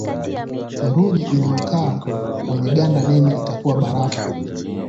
Theluji inayokaa kwenye ganda nene itakuwa barafu